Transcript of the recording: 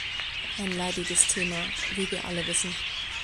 Ein leidiges Thema, wie wir alle wissen.